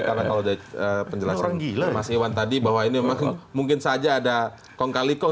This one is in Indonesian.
karena kalau dari penjelasan gila masih wan tadi bahwa ini mungkin saja ada kongkalikong